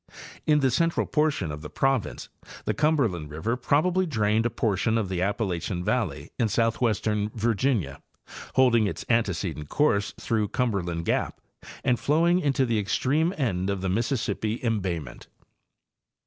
In the central portion of the province the Cum berland river probably drained a portion of the Appalachian valley in southwestern Virginia, holding its antecedent course through Cumberland gap and flowing into the extreme end of the Mississippi embayment.